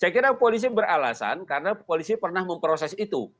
saya kira polisi beralasan karena polisi pernah memproses itu